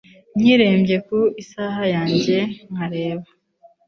Nkirebye ku isaha yanjye nkareba